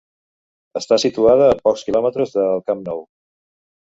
Està situada a pocs quilòmetres del Camp Nou.